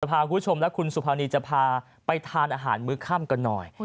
พาคุณผู้ชมและคุณสุภานีจะพาไปทานอาหารมื้อค่ำกันหน่อย